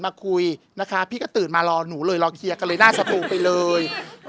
ไม่ต่อใส่ตรงไปคุย